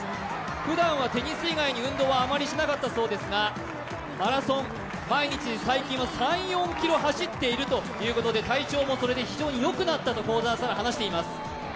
ふだんはテニス以外に運動はあまりしなかったそうですがマラソン、毎日最近は３４ｋｍ走っているということで体調もそれで非常によくなったと幸澤沙良、話しています。